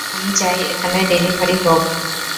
আমি চাই এখানে ডেলিভারি হোক।